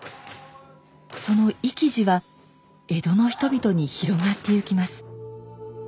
その意気地は江戸の人々に広がってゆきます。